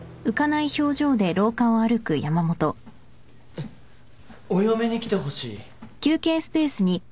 ・えっお嫁に来てほしい？